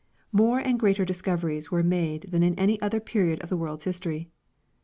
more and greater discoveries were made than in any other period of the world's history.